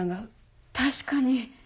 確かに。